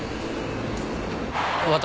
私